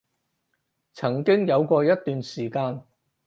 曾經有過一段時間